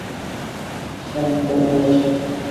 Sam প্লেনে উঠছে?